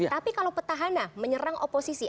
tapi kalau petahana menyerang oposisi